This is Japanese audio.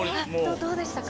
どうでしたか？